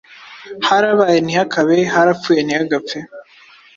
Harabaye ntihakabe harapfuye ntihagapfe,